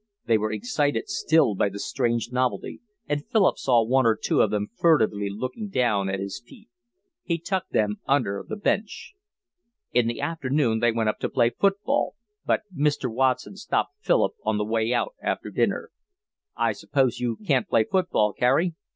They were excited still by the strange novelty, and Philip saw one or two of them furtively looking down at his feet. He tucked them under the bench. In the afternoon they went up to play football, but Mr. Watson stopped Philip on the way out after dinner. "I suppose you can't play football, Carey?"